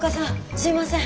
すいません。